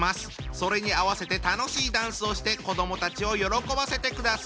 それに合わせて楽しいダンスをして子どもたちを喜ばせてください。